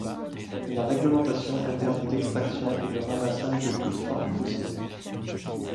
La réglementation interdit l'extraction et le ramassage de toute forme fossile.